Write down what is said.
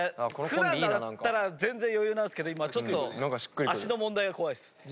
普段だったら全然余裕なんすけど今脚の問題が怖いっす。